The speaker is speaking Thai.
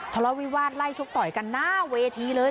ทะเลาะวิวาสไล่ชกต่อยกันหน้าเวทีเลย